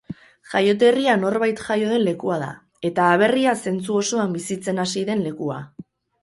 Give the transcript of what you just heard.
Jaioterria norbait jaio den lekua da, eta aberria zentzu osoan bizitzen hasi den lekua.